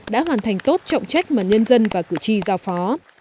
đã hoàn thành tốt trọng trách mà nhân dân và cử tri giao phó